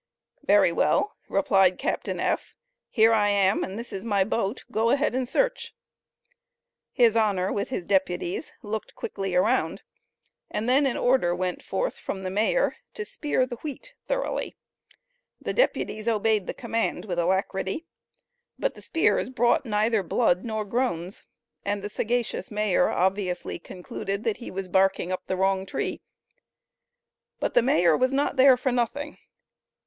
"Very well," replied Captain F., "here I am and this is my boat, go ahead and search." His Honor with his deputies looked quickly around, and then an order went forth from the mayor to "spear the wheat thoroughly." The deputies obeyed the command with alacrity. But the spears brought neither blood nor groans, and the sagacious mayor obviously concluded that he was "barking up the wrong tree." But the mayor was not there for nothing.